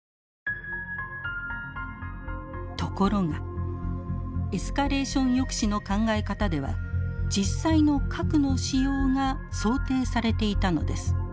ところがエスカレーション抑止の考え方では実際の核の使用が想定されていたのです。